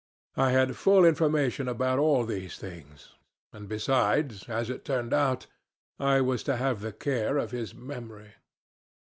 I had full information about all these things, and, besides, as it turned out, I was to have the care of his memory.